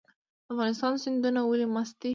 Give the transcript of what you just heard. د افغانستان سیندونه ولې مست دي؟